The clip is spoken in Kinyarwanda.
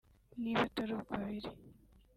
Niba atari uko biri